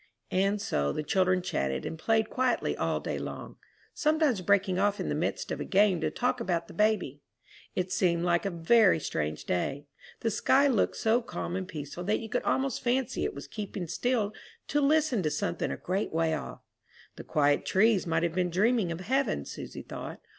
And so the children chatted and played quietly all day long, sometimes breaking off in the midst of a game to talk about the baby. It seemed like a very strange day. The sky looked so calm and peaceful that you could almost fancy it was keeping still to listen to something a great way off. The quiet trees might have been dreaming of heaven, Susy thought.